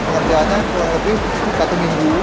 pengerjaannya kurang lebih satu minggu